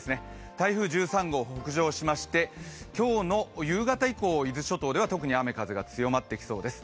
台風１３号、北上しまして今日の夕方以降、伊豆諸島では特に雨・風が強まってきそうです。